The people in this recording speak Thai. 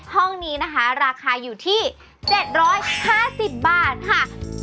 ห้องนี้นะคะราคาอยู่ที่๗๕๐บาทค่ะ